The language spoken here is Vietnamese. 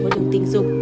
qua đường tình dục